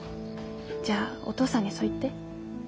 じゃあお父さんにそう言って。